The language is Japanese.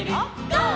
「ゴー！